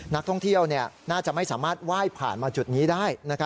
นักท่องเที่ยวน่าจะไม่สามารถไหว้ผ่านมาจุดนี้ได้